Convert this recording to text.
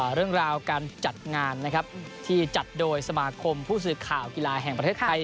เรื่องราวการจัดงานนะครับที่จัดโดยสมาคมผู้สื่อข่าวกีฬาแห่งประเทศไทย